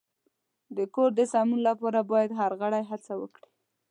د کور د سمون لپاره باید هر غړی هڅه وکړي.